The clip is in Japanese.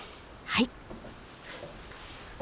はい！